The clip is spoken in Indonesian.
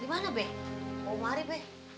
di mana be mau mari be